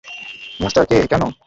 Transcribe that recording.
Master কে কেন?